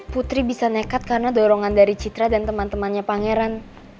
putri bisa nekat karena dorongan dari citra dan teman temannya pangeran